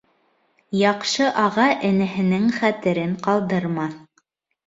Яҡшы аға энеһенең хәтерен ҡалдырмаҫ.